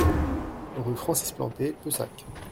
Rue Francis Planté, Pessac